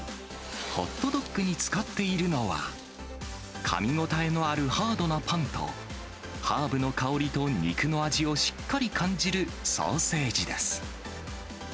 ホットドッグに使っているのは、かみ応えのあるハードなパンと、ハーブの香りと肉の味をしっかり感じるソーセージです。